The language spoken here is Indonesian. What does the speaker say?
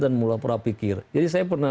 dan melaporkan pikir jadi saya pernah